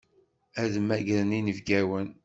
Ad mmagren inebgawen.